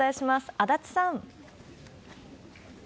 足立さん。